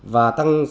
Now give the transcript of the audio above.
và tăng sở hữu